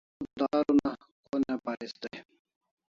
Tu daftar una ko ne paris dai?